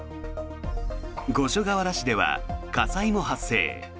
五所川原市では火災も発生。